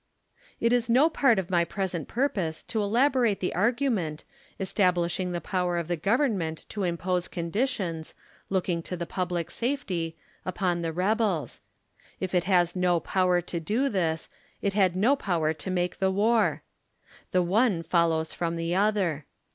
It is no part of mj present purpose to elaborate the argu ment, establishing the power of the Government to im pose conditions, looking to the public safety, upon the rebels. If it has no power to do this, it had no power to make the war. The one follows from the other.